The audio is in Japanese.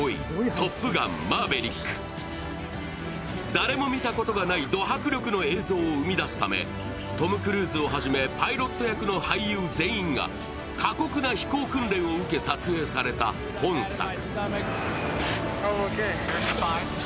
誰も見たことがないド迫力の映像を作り出すため、トム・クルーズをはじめパイロット役の全員が過酷な飛行訓練を受け、撮影された本作。